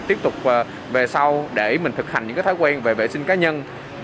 tiếp tục về sau để mình thực hành những thói quen về vệ sinh cá nhân